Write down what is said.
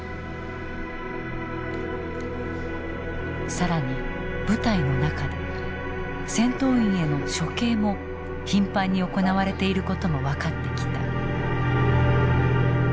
更に部隊の中で戦闘員への処刑も頻繁に行われていることも分かってきた。